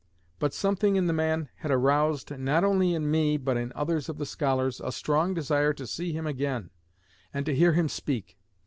But, something in the man had aroused, not only in me but in others of the scholars, a strong desire to see him again and to hear him speak.